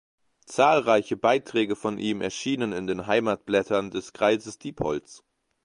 Zahlreiche Beiträge von ihm erschienen in den Heimatblättern des Kreises Diepholz.